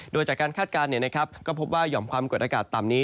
โดยจากการคาดการณ์ก็พบว่าห่อมความกดอากาศต่ำนี้